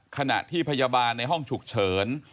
ขณะที่พยาบาลในห้องฉุกเฉิน